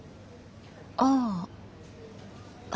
ああ。